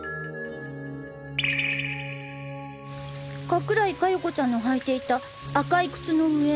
加倉井加代子ちゃんの履いていた赤い靴の上。